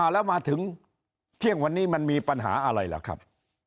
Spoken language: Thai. แล้วมาถึงเที่ยงวันนี้มันมีปัญหาอะไรล่ะครับ